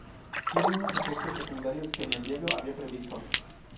tiene unos efectos secundarios que ni el diablo había previsto